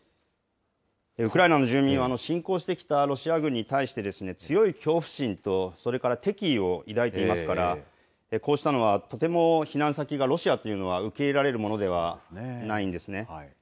ウクライナの住民は、侵攻してきたロシア軍に対して、強い恐怖心とそれから敵意を抱いていますから、こうしたのはとても避難先がロシアというのは受け入れられるものではないんですね。